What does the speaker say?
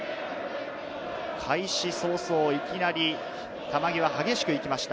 開始早々、いきなり球際、激しく行きました。